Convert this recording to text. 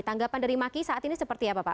tanggapan dari maki saat ini seperti apa pak